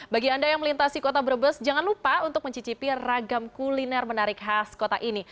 bagi anda yang melintasi kota brebes jangan lupa untuk mencicipi ragam kuliner menarik khas kota ini